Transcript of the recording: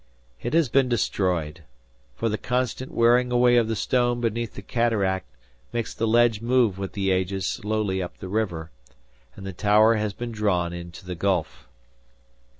It has been destroyed; for the constant wearing away of the stone beneath the cataract makes the ledge move with the ages slowly up the river, and the tower has been drawn into the gulf.